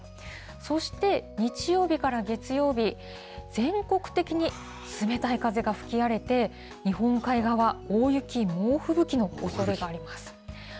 そして、日曜日から月曜日、全国的に冷たい風が吹き荒れて、日本海側、大雪、猛吹雪のおそれがあります。